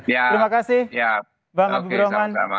terima kasih bang abubir roman